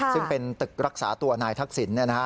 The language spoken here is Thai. ซึ่งเป็นตึกรักษาตัวนายทักษิณ